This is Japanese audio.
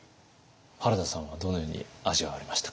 原田さんはどのように味わわれましたか？